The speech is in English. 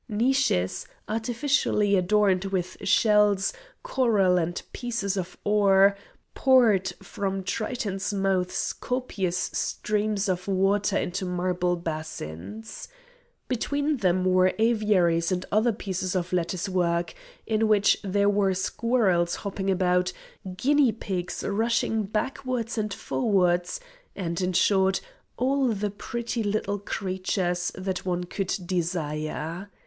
Niches, artificially adorned with shells, coral, and pieces of ore, poured from Tritons' mouths copious streams of water into marble basins. Between them were aviaries and other pieces of lattice work, in which there were squirrels hopping about, guinea pigs running backwards and forwards, and, in short, all the pretty little creatures that one could desire.